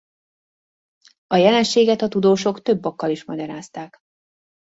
A jelenséget a tudósok több okkal is magyarázták.